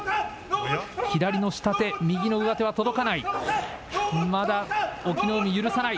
左の下手、右の上手は届かない。